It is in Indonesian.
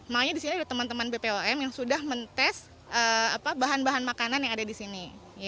makanya di sini ada teman teman bpom yang sudah mentes bahan bahan makanan yang ada di sini